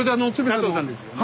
佐藤さんですよね。